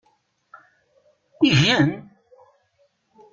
Igen?